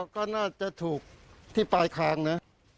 ก็น่าจะถูกที่ปลายคางนะ